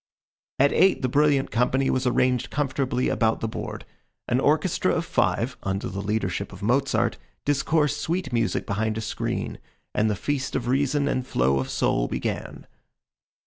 At eight the brilliant company was arranged comfortably about the board. An orchestra of five, under the leadership of Mozart, discoursed sweet music behind a screen, and the feast of reason and flow of soul began.